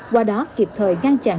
qua đó kịp thời ngăn chặn